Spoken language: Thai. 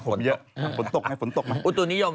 ฝนตกไหมฝนตกไหม